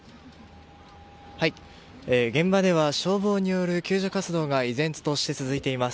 現場では消防による救助活動が依然として続いています。